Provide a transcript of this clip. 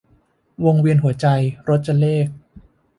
วงเวียนหัวใจ - รจเรข